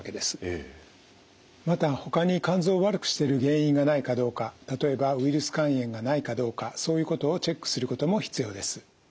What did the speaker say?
またほかに肝臓を悪くしてる原因がないかどうか例えばウイルス肝炎がないかどうかそういうことをチェックすることも必要です。